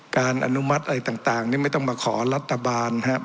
อนุมัติอะไรต่างนี่ไม่ต้องมาขอรัฐบาลนะครับ